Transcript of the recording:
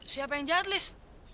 siapa yang jahat liz